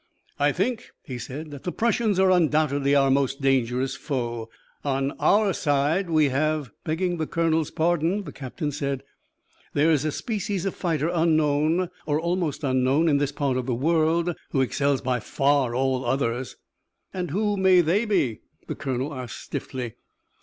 "I think," he said, "that the Prussians are undoubtedly our most dangerous foe. On our own side we have " "Begging the colonel's pardon," the captain said, "there is a species of fighter unknown, or almost unknown, in this part of the world, who excels by far all others." "And who may they be?" the colonel asked stiffly.